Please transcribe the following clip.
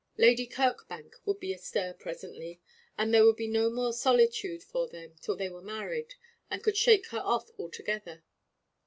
Lady Kirkbank would be astir presently, and there would be no more solitude for them till they were married, and could shake her off altogether.